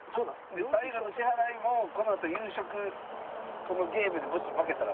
最後の支払いもこのあと夕食このゲームでもし負けたら槙原さん払う。